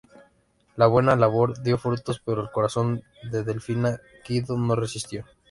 La buena labor dio frutos, pero el corazón de Delfina Guido no resistió.